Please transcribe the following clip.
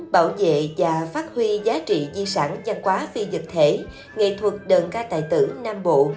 bảo vệ và phát huy giá trị di sản giang quá phi dựt thể nghệ thuật đơn ca tài tử nam bộ